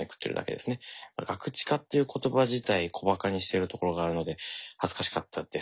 ガクチカっていう言葉自体小バカにしているところがあるので恥ずかしかったです。